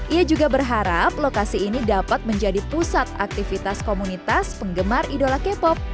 ia juga berharap lokasi ini dapat menjadi pusat aktivitas komunitas penggemar idola k pop